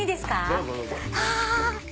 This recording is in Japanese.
どうぞどうぞ。